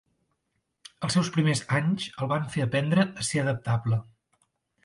Els seus primers anys el van fer aprendre a ser adaptable.